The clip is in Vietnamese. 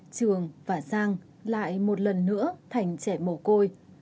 trường và sang lại một lần nữa thành trẻ mồ côi